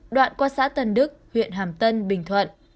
đoạn qua xã tân đức huyện hàm tân bình thuận